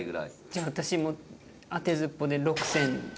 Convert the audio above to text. じゃあ私も当てずっぽうで６０００。